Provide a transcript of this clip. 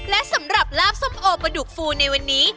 และสำหรับลาบส้มโอปลาดุกฟูในวันนี้